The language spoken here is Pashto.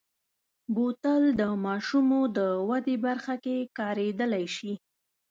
بوتل د ماشومو د ودې برخه کې کارېدلی شي.